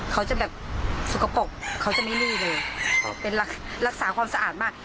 เขาจะแบบสกปรกเขาจะไม่ลื่นเลยเป็นรักษาความสะอาดมาก